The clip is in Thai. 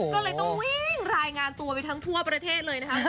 ก็เลยต้องวิ่งรายงานตัวไปทั้งทั่วประเทศเลยนะคะ